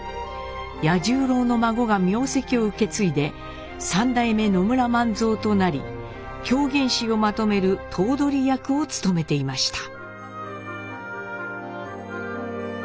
八十郎の孫が名跡を受け継いで３代目野村万蔵となり狂言師をまとめる「頭取役」を務めていました。